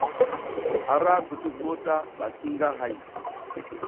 A ra kutuk mota ɓa cu nga hay.